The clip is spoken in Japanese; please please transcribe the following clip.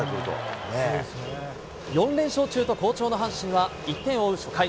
４連勝中と好調の阪神は、１点を追う初回。